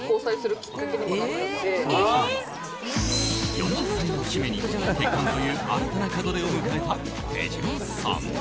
４０歳の節目に、結婚という新たな門出を迎えた手島さん。